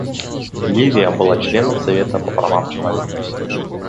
Ливия была членом Совета по правам человека.